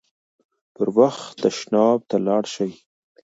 پر وخت تشناب ته لاړ شئ.